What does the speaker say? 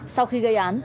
sau khi gây án